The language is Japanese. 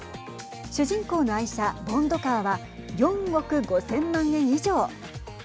主人公の愛車、ボンドカーは４億５０００万円以上。